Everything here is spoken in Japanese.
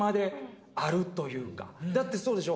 だってそうでしょ。